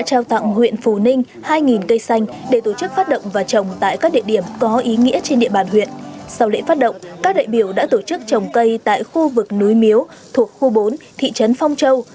sau lễ phát động các đại biểu đã tổ chức trồng cây tại khu vực núi miếu thuộc khu bốn thị trấn phong châu